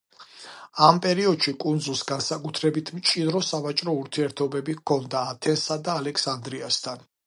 ამ პერიოდში კუნძულს განსაკუთრებით მჭიდრო სავაჭრო ურთიერთობები ჰქონდა ათენსა და ალექსანდრიასთან.